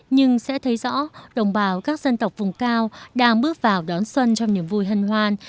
nhưng sẽ thấy rõ đồng bào các dân tộc vùng cao đang bước vào đón xuân trong niềm vui hân hoan